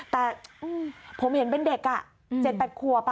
แต่ผมเห็นเป็นเด็ก๗๘ขวบ